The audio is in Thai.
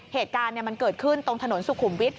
เหตุการณ์มันเกิดขึ้นตรงถนนสุขุมวิทย